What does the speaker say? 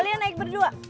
kalian naik berdua